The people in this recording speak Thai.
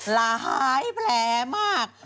หลายแผลมาก